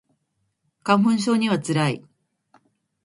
花粉症には辛い